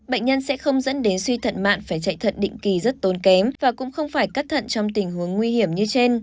bệnh nhân sẽ không dẫn đến suy thận mạn phải chạy thận định kỳ rất tốn kém và cũng không phải cắt thận trong tình huống nguy hiểm như trên